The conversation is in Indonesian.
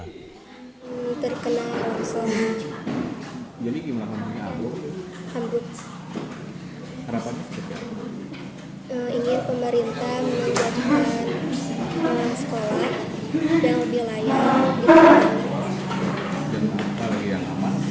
kami ingin pemerintah menjadikan sekolah yang lebih layak